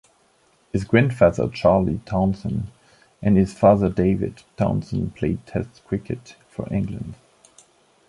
His grandfather Charlie Townsend and his father David Townsend played Test cricket for England.